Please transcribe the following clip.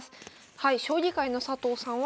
はい将棋界の佐藤さんは。